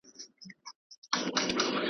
¬ هر څوک وايي، چي زما د غړکي خوند ښه دئ.